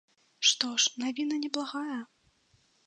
Што ж, навіна неблагая.